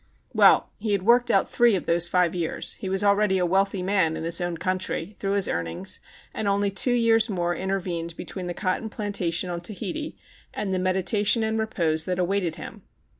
Well, he had worked out three of those five years. He was already a wealthy man (in his own country), through his earnings, and only two years more intervened between the cotton plantation on Tahiti and the meditation and re pose that awaited him.